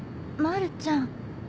まるちゃん。